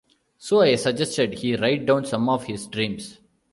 So I suggested he write down some of his dreams.